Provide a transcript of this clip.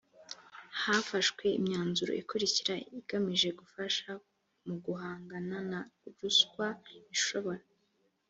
hafashwe imyanzuro ikurikira igamije gufasha mu guhangana na ruswa ishobora